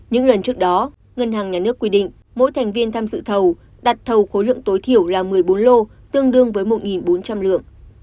những lần trước đó ngân hàng nhà nước quy định mỗi thành viên tham dự thầu đặt thầu khối lượng tối thiểu là một mươi bốn lô tương đương với một bốn trăm linh lượng